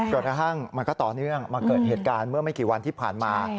กระทั่งมันก็ต่อเนื่องมาเกิดเหตุการณ์เมื่อไม่กี่วันที่ผ่านมา